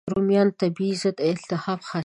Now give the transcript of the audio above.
رومیان طبیعي ضد التهاب خاصیت لري.